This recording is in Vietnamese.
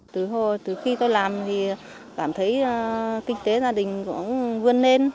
từ khi tôi làm thì cảm thấy kinh tế gia đình cũng vươn lên